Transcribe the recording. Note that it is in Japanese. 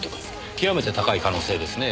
極めて高い可能性ですねぇ。